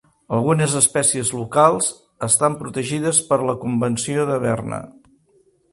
Algunes espècies locals estan protegides per la Convenció de Berna.